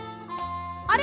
あれ？